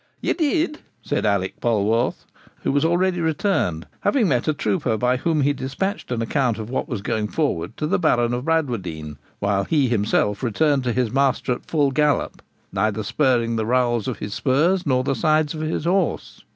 'You did,' said Alick Polwarth, who was already returned, having met a trooper by whom he despatched an account of what was going forward to the Baron of Bradwardine, while he himself returned to his master at full gallop, neither sparing the rowels of his spurs nor the sides of his horse.